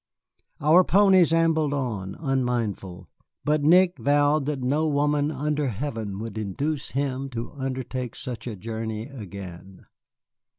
Our ponies ambled on, unmindful; but Nick vowed that no woman under heaven would induce him to undertake such a journey again.